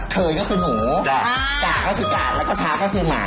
เทยก็คือหมูกะก็คือกะและกะทะก็คือหมา